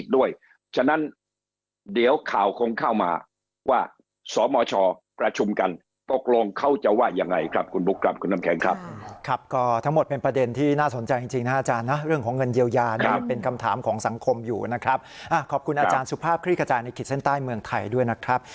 ด้วยฉะนั้นเดี๋ยวข่าวคงเข้ามาว่าสมชประชุมกันปกโรงเขาจะว่ายังไงครับคุณลุกครับคุณน้ำแข็งครับครับก็ทั้งหมดเป็นประเด็นที่น่าสนใจจริงจริงนะอาจารย์นะเรื่องของเงินเยียวยาเนี่ยเป็นคำถามของสังคมอยู่นะครับอ่าขอบคุณอาจารย์สุภาพคลิกกระจายในขีดเส้นใต้เมืองไทยด้วยนะครับ